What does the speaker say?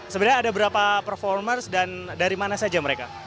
sebenarnya ada berapa performers dan dari mana saja mereka